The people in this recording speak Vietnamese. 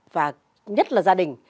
và nhất là gia đình